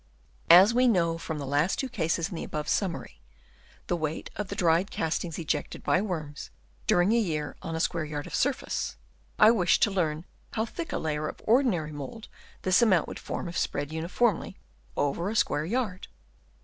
— As we know, from the two last cases in the above summary, the weight of the dried castings ejected by worms during a year on a square yard of surface, I wished to learn how thick a layer of ordinary mould this amount would form if spread uoi formly over a square yard.